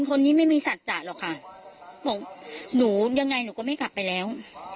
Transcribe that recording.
คนนี้ไม่มีสัจจะหรอกค่ะบอกหนูยังไงหนูก็ไม่กลับไปแล้ว